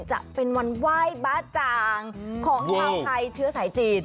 จะเป็นวันไหว้บ๊าจางของชาวไทยเชื้อสายจีน